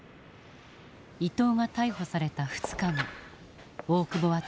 伊藤が逮捕された２日後。